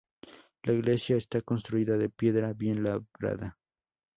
La iglesia está construida de piedra bien labrada.